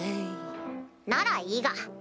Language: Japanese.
ならいいが。